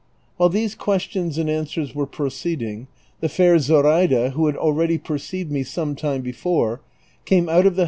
While these questions and answers were proceed ing, the fair Zoraida. who had already perceived me some time before, came out of the liou.